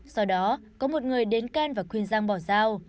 sau đó có một người đến can và khuyên giang bỏ dao